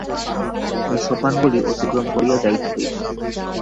এই সোপানগুলি অতিক্রম করিয়া যাইতে হইবে।